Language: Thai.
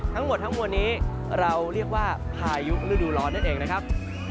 ทั้งหมดทั้งมวลนี้เราเรียกว่าพายุฤดูร้อนนั่นเองนะครับ